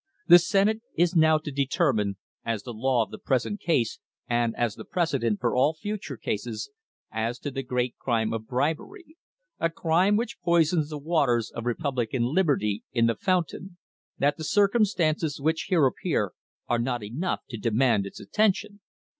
The Senate is now to determine, as the law of the present case and as the precedent for all future cases, as to the great crime of bribery a crime which poisons the waters of republican liberty in the foun tain that the circumstances which here appear are not enough to demand its atten tion."